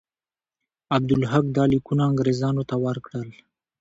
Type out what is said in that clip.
عبدالحق دا لیکونه انګرېزانو ته ورکړل.